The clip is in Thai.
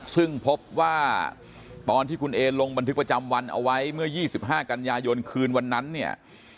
ซึ่งพบว่าตอนที่คุณเอลงบันทึกประจำวันเอาไว้เมื่อ๒๕กันยายนคืนวันนั้นเนี่ย